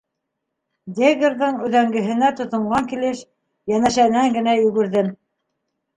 Доггерҙың өҙәңгеһенә тотонған килеш, йәнәшәнән генә йүгерҙем.